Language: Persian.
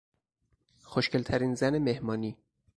خوشگلترین زن مهمانی